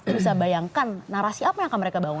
bisa bayangkan narasi apa yang akan mereka bawa